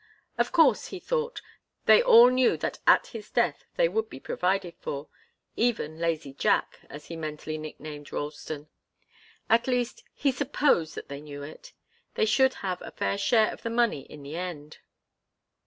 Of course, he thought, they all knew that at his death they would be provided for even lazy Jack, as he mentally nicknamed Ralston. At least, he supposed that they knew it. They should have a fair share of the money in the end.